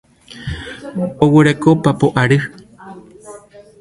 Oguereko papo ary.